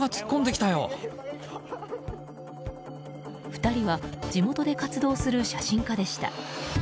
２人は地元で活動する写真家でした。